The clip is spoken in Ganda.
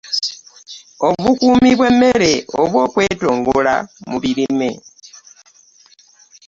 Obukuumi bw'emmere oba okwetongola mu birime.